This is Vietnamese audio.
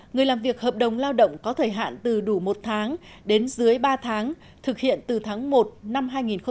người làm việc hợp đồng lao động có thời hạn từ đủ một tháng đến dưới ba tháng thực hiện từ tháng một năm hai nghìn hai mươi